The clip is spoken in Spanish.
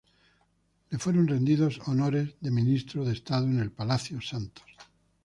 Le fueron rendidos honores de ministro de Estado en el Palacio Santos.